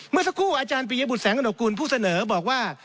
เมื่อสักครู่อาจารย์ปริยบุตรแสงอนกกุลผู้เสนอบอกว่า